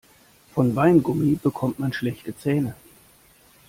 Von Weingummi bekommt man schlechte Zähne.